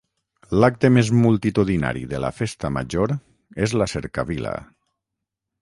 L’acte més multitudinari de la Festa Major és la Cercavila.